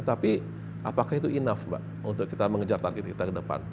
tapi apakah itu enough mbak untuk kita mengejar target kita ke depan